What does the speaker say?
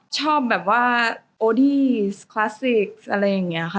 ชอบแบบว่าโอดี้คลาสสิกอะไรอย่างนี้ค่ะ